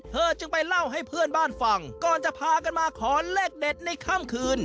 เธอจึงไปเล่าให้เพื่อนบ้านฟังก่อนจะพากันมาขอเลขเด็ดในค่ำคืน